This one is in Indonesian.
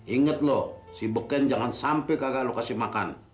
ingat lo si beken jangan sampai kagak lo kasih makan